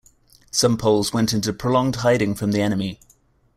Some Poles went into prolonged hiding from the enemy.